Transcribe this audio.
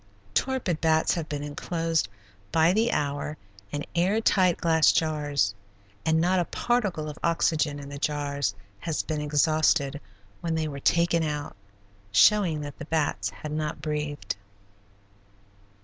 Torpid bats have been inclosed by the hour in air tight glass jars and not a particle of oxygen in the jars has been exhausted when they were taken out, showing that the bats had not breathed.